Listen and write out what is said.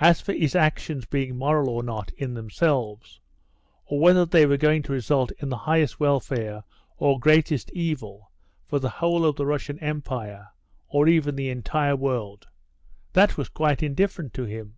As for his actions being moral or not, in themselves, or whether they were going to result in the highest welfare or greatest evil for the whole of the Russian Empire, or even the entire world, that was quite indifferent to him.